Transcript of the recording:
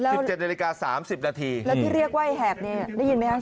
สิบเจ็ดนาฬิกาสามสิบนาทีแล้วที่เรียกว่าแหบเนี่ยได้ยินไหมคะ